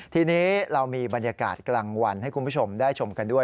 ทีนี้เรามีบรรยากาศกลางวันให้คุณผู้ชมได้ชมกันด้วย